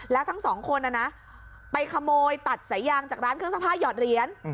แล้วทั้งสองคนไปขโมยตัดสายยางจากร้านเครื่องซักผ้าหยอดเหรียญ